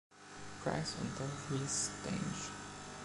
Price und Dorothy Stange.